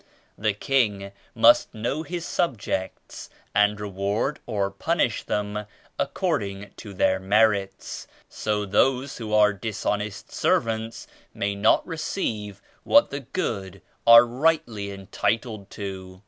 The King must know his subjects and reward or punish them according to their merits, so those who are dishonest servants may not receive what the good are rightly entitled to.